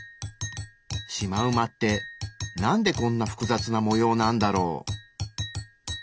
シマウマってなんでこんな複雑な模様なんだろう？